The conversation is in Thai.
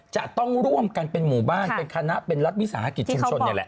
จะต้องร่วมกันเป็นหมู่บ้านเป็นคณะเป็นรัฐวิสาหกิจชุมชนนี่แหละ